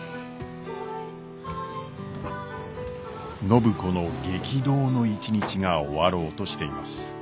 暢子の激動の一日が終わろうとしています。